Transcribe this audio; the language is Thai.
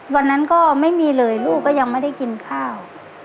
วันนั้นก็ไม่มีเลยลูกก็ยังไม่ได้กินข้าว